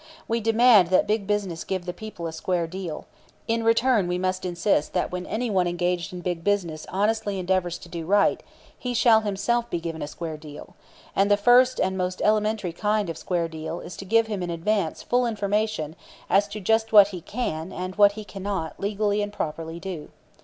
We demand that big business give the people a square deal; in return we must insist that when any one engaged in big business honestly endeavors to do right he shall himself be given a square deal; and the first, and most elementary, kind of square deal is to give him in advance full information as to just what he can, and what he cannot, legally and properly do.